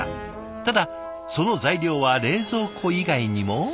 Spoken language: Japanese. ただその材料は冷蔵庫以外にも。